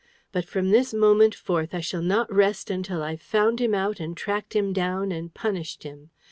But from this moment forth, I shall not rest until I've found him out and tracked him down, and punished him.